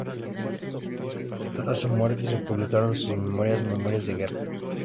Tras su muerte se publicaron sus memorias: "Memorias de Guerra.